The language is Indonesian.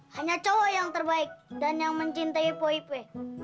hanya cowok yang terbaik dan yang mencintai poipet